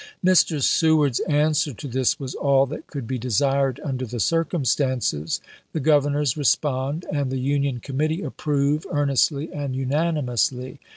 Mr. Seward's answer to this was all that could be desired under the circumstances :" The governors respond, and the Union Committee approve earn estly and unanimously.